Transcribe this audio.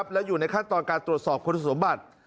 และอยู่ในขั้นตอนการตรวจสอบคุณสมบัติ